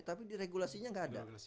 tapi di regulasinya nggak ada